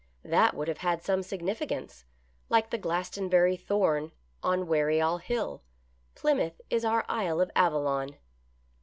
" That would have had some significance, like the Glastonbury Thorn on Weary All Hill ; Plymouth is our Isle of Avallon."